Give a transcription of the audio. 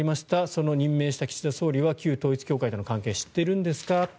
その任命した岸田総理は旧統一教会との関係を知っているんですか？